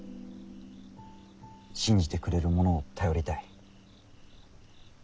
信じてくれる者を頼りたい。